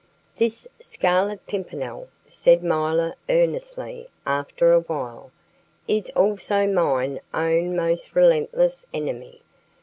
"This Scarlet Pimpernel," said milor earnestly after a while, "is also mine own most relentless enemy.